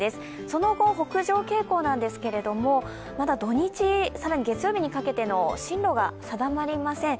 その後、北上傾向なんですけど土日、更に月曜日にかけての進路が定まりません。